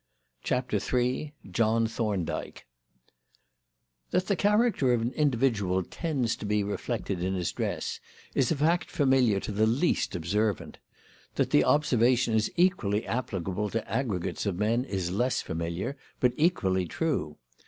CHAPTER III JOHN THORNDYKE That the character of an individual tends to be reflected in his dress is a fact familiar to the least observant. That the observation is equally applicable to aggregates of men is less familiar, but equally true.